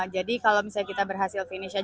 jadi kalau misalnya kita berhasil finish